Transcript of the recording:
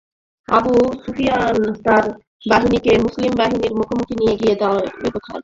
Abu Sufyan তার বাহিনীকে মুসলিম বাহিনীর মুখোমুখি নিয়ে গিয়ে দাঁড় করায়।